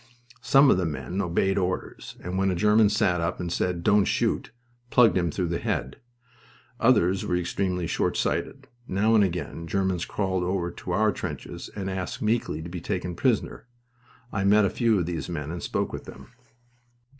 Some of the men obeyed orders, and when a German sat up and said, "Don't shoot!" plugged him through the head. Others were extremely short sighted... Now and again Germans crawled over to our trenches and asked meekly to be taken prisoner. I met a few of these men and spoke with them.